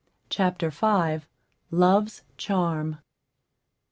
CHAPTER V. LOVE'S CHARM.